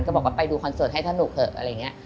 บอกว่าไปดูคอนเสิร์ตให้สนุกเถอะอะไรอย่างนี้